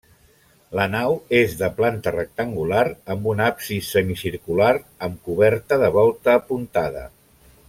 La nau és de planta rectangular amb un absis semicircular amb coberta de volta apuntada.